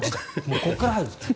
ここから入るんですね。